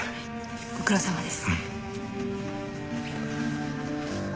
ご苦労さまです。